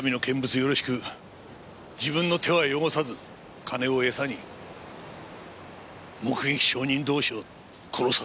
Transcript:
よろしく自分の手は汚さず金をエサに目撃証人同士を殺させる。